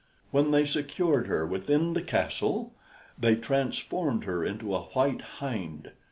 When they secured her within the castle, they transformed her into a white hind.